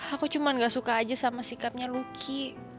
aku cuma enggak suka aja sama sikapnya lucky